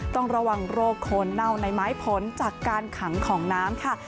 ต้องระวังโรคโคนเน่าในไม้ผลจากการขังของน้ำค่ะ